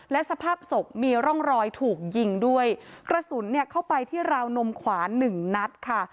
และสภาพศพมีร่องรอยถูกยิงด้วยกระสุนเนี่ยเข้าไปที่ราวนมขวาหนึ่งนัดค่ะ